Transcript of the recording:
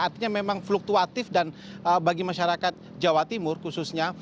artinya memang fluktuatif dan bagi masyarakat jawa timur khususnya